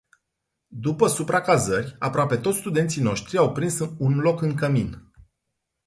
După supracazări, aproape toți studenții noștri au prins un loc în cămin.